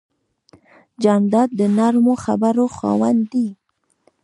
جانداد د نرمو خبرو خاوند دی.